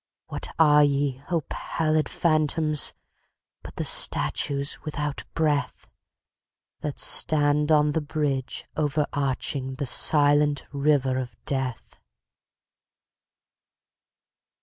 What are ye, O pallid phantoms! But the statues without breath, That stand on the bridge overarching The silent river of death?